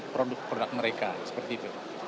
produk produk mereka seperti itu